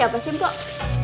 siapa sih bang